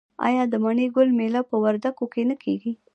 آیا د مڼې ګل میله په وردګو کې نه کیږي؟